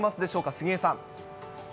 杉江さん。